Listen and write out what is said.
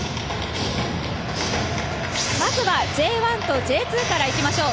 まずはＪ１とＪ２からいきましょう。